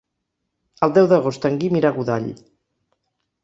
El deu d'agost en Guim irà a Godall.